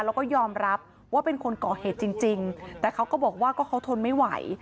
แล้วก็ยอมรับว่าเป็นคนก่อเหตุจริงแต่เขาก็บอกว่าก็เขาทนไม่ไหว